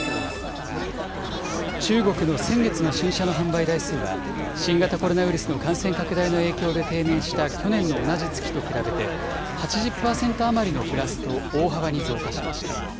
中国の先月の新車の販売台数は、新型コロナウイルスの感染拡大の影響で低迷した去年の同じ月と比べて、８０％余りのプラスと、大幅に増加しました。